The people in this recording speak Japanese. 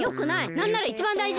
なんならいちばんだいじ。